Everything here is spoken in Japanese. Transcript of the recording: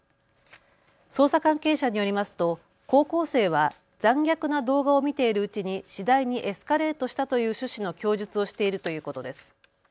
捜査関係者によりますと高校生は残虐な動画を見ているうちに次第にエスカレートしたという趣旨の供述をしているということです。